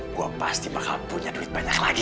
gue pasti maha punya duit banyak lagi